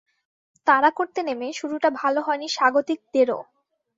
তাড়া করতে নেমে শুরুটা ভালো হয়নি স্বাগতিকদেরও।